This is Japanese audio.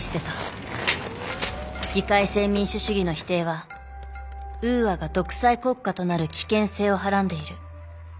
議会制民主主義の否定はウーアが独裁国家となる危険性をはらんでいる。